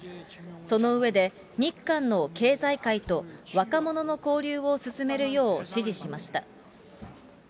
その上で、日韓の経済界と若者の交流を進めるよう指示しました。